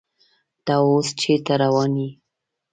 ته اوس چیرته روان یې؟